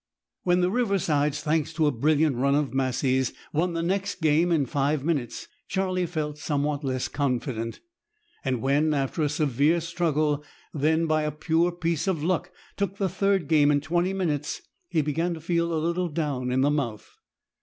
When the Riversides, thanks to a brilliant run of Massie's, won the next game in five minutes, Charlie felt somewhat less confident; and when, after a severe struggle, they by a pure piece of luck took the third game in twenty minutes, he began to feel a little down in the mouth.